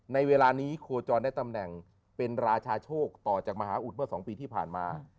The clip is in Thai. ในเวลานี้โคจรได้ตำแหน่งเป็นราชาโชคต่อจากมหาอุทธเมื่อ๒ปีที่ผ่านมา